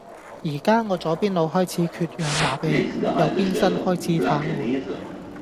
宜家我左邊腦開始缺氧麻痺，右半身開始癱瘓